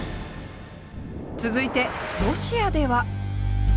続いてロシアでは